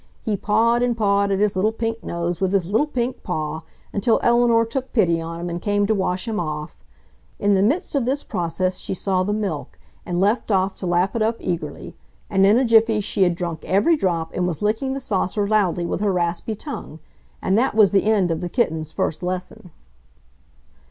He pawed and pawed at his little pink nose with his little pink paw until Eleanor took pity on him and came to wash him off. In the midst of this process she saw the milk, and left off to lap it up eagerly; and in a jiffy she had drunk every drop and was licking the saucer loudly with her raspy tongue. And that was the end of the kittens' first lesson.